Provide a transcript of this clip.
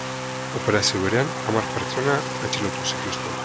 Operazio berean hamar pertsona atxilotu zituzten.